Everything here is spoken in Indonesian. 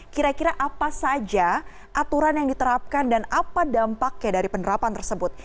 kira kira apa saja aturan yang diterapkan dan apa dampaknya dari penerapan tersebut